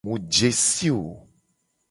Mu je si wo.